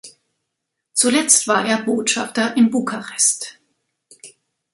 Zuletzt war er Botschafter in Bukarest.